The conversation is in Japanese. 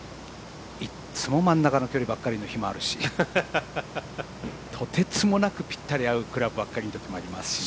いつも真ん中のばっかりの日もあるしとてつもなくぴったり合うクラブばっかりの時もありますしね。